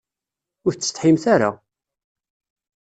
Ur tsetḥimt ara?